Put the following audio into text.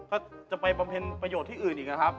ก็จะไปบำเพ็ญประโยชน์ที่อื่นอีกนะครับ